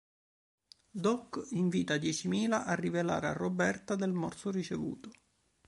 Doc invita Diecimila a rivelare a Roberta del morso ricevuto.